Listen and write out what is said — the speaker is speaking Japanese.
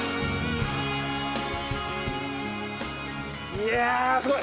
いやすごい。